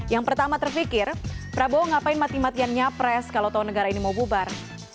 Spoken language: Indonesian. yang pertama terfikir prabowo ngapain mati matian nyapres kalau tahun negara ini mau bubar